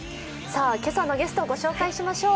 今朝のゲストを御紹介しましょう。